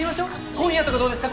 今夜とかどうですか？